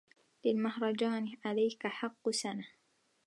للمهرجان عليك حق سنه